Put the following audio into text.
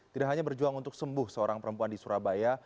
tidak hanya berjuang untuk sembuh seorang perempuan di surabaya